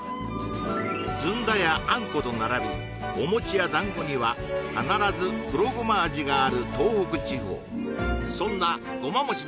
ずんだやあんこと並びお餅や団子には必ず黒ゴマ味がある東北地方そんなごま餅の名店があるのは